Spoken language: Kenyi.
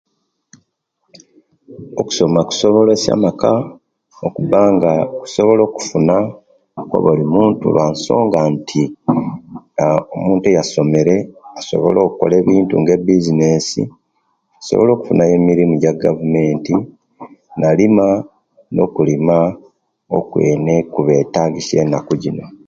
Okusoma kusobolesya amaka okubanga gasobola okufuna bulimuntu lwansonga nti aa omuntu eyasomere asobola okola ebintu nga ebizinesi asobola okufunayo emirimu ja gavumenti nalima nokulima okwene okubetagisya enaku jino